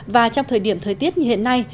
và trong thời điểm thời tiết như hiện nay